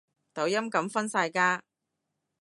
抖音噉分晒家